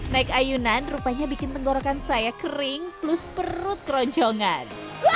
naik ayunan rupanya bikin tenggorokan saya kering plus perut keroncongan